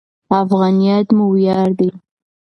افغانیت مو ویاړ دی.